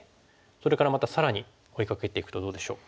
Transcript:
それからまた更に追いかけていくとどうでしょう？